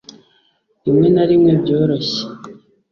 rimwe na rimwe byoroshye